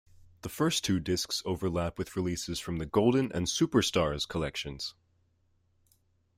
The first two discs overlap with releases from the Golden and Super Stars collections.